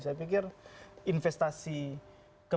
saya pikir investasi ke pemerintahan jokowi